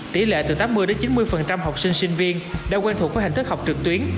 tỷ lệ từ tám mươi chín mươi học sinh sinh viên đã quen thuộc với hình thức học trực tuyến